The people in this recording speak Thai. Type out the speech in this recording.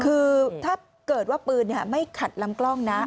คือถ้าเกิดว่าปืนไม่ขัดลำกล้องนะ